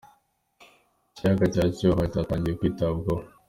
Ikiyaga cya Cyohoha cyatangiye kwitabwaho